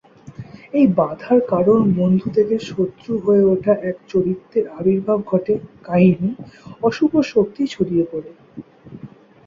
এই বাধার কারণ বন্ধু থেকে শত্রু হয়ে ওঠা এক চরিত্রের আবির্ভাব ঘটে কাহিনি, অশুভ শক্তি ছড়িয়ে পড়ে।